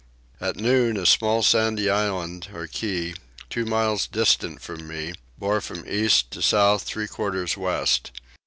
At noon a small sandy island or key two miles distant from me bore from east to south three quarters west.